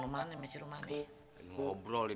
reng lirian suhaily